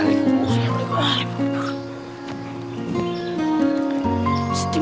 nih pak deh